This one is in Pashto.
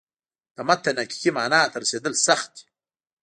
د متن حقیقي معنا ته رسېدل سخت دي.